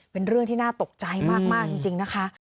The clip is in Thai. เป็นเรื่องที่น่าตกใจมากจริงนะคะ